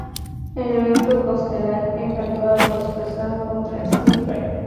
El evento coestelar enfrentó a Ross Pearson contra Stevie Ray.